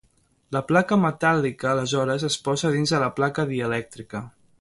La placa metàl·lica aleshores es posa dins la placa dielèctrica.